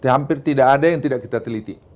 hampir tidak ada yang tidak kita teliti